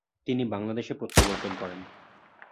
তিনি বাংলাদেশে প্রত্যাবর্তন করেন।